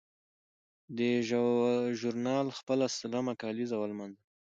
دې ژورنال خپله سلمه کالیزه ولمانځله.